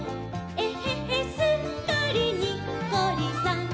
「えへへすっかりにっこりさん！」